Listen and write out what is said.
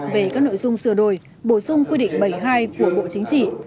về các nội dung sửa đổi bổ sung quy định bảy mươi hai của bộ chính trị